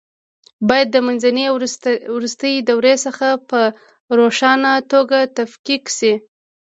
باید د منځنۍ او وروستۍ دورې څخه په روښانه توګه تفکیک شي.